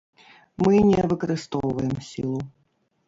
Мы не выкарыстоўваем сілу.